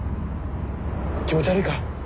気持ち悪いか？